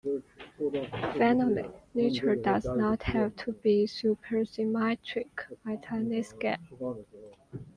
Finally, Nature does not have to be supersymmetric at any scale.